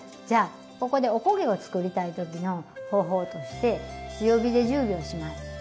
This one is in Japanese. じゃあここでお焦げを作りたい時の方法として強火で１０秒します。